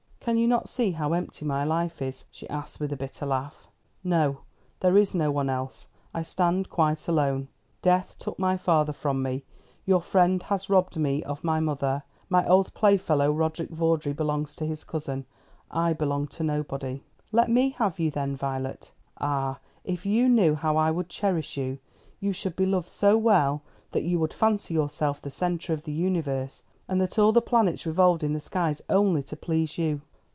"Can you not see how empty my life is?" she asked with a bitter laugh. "No; there is no one else. I stand quite alone. Death took my father from me; your friend has robbed me of my mother. My old playfellow, Roderick Vawdrey, belongs to his cousin. I belong to nobody." "Let me have you then, Violet. Ah, if you knew how I would cherish you! You should be loved so well that you would fancy yourself the centre of the universe, and that all the planets revolved in the skies only to please you.